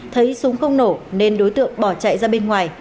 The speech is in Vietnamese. thấy súng không nổ nên đối tượng bỏ chạy ra bên ngoài